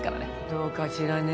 どうかしらね。